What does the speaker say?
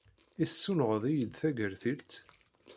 I tessunɣed-iyi-d tagertilt?